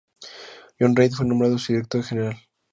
John Reith fue nombrado su director general.